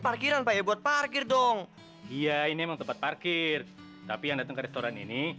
parkiran pak ya buat parkir dong iya ini emang tempat parkir tapi yang datang ke restoran ini